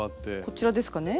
こちらですかね？